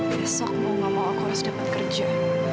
besok mau gak mau aku harus dapat kerja